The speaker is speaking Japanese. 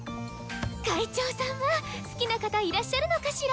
会長さんは好きな方いらっしゃるのかしら？